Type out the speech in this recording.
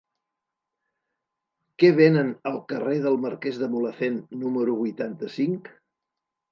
Què venen al carrer del Marquès de Mulhacén número vuitanta-cinc?